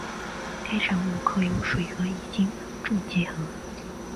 该产物可由水和乙腈重结晶。